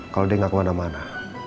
kalau dia nggak kemana mana